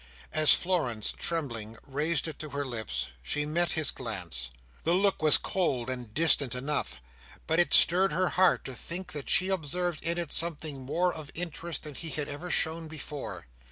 As Florence, trembling, raised it to her lips, she met his glance. The look was cold and distant enough, but it stirred her heart to think that she observed in it something more of interest than he had ever shown before.